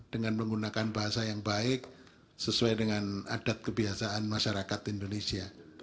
dengan menggunakan bahasa yang baik sesuai dengan adat kebiasaan masyarakat indonesia